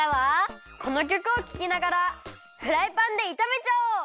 このきょくをききながらフライパンでいためちゃおう！